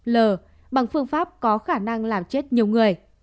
l bằng phương pháp có khả năng làm chết nhiều người